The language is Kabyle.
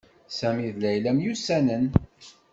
Sami d Layla myussanen.